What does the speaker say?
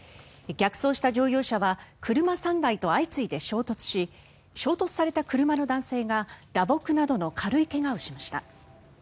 逆走した乗用車は車３台と相次いで衝突し衝突された車の男性が打撲などの軽い怪我をしました。